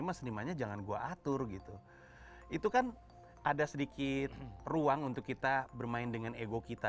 mas senimannya jangan gua atur gitu itu kan ada sedikit ruang untuk kita bermain dengan ego kita